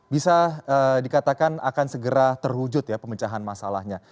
bisa dikatakan akan segera terwujud ya pemecahan masalahnya